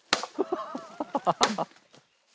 ハハハハハ。